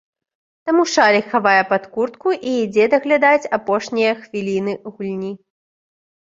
Таму шалік хавае пад куртку і ідзе даглядаць апошнія хвіліны гульні.